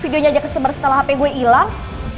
gua aja kesebar setelah hp gua ilang